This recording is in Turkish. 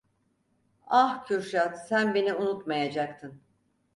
Ah Kürşad, sen beni unutmayacaktın…